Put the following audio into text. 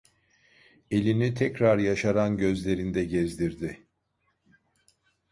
Elini tekrar yaşaran gözlerinde gezdirdi: